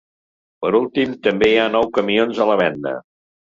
Per últim, també hi ha nou camions a la venda.